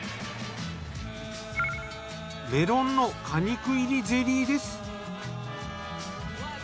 メロンの果肉入りゼリーです。